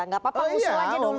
nggak apa apa usulannya dulu